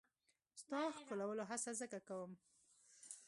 ستا ښکلولو هڅه ځکه کوم.